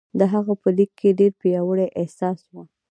د هغه په لیک کې ډېر پیاوړی احساس و